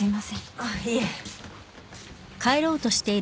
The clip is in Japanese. あっいえ。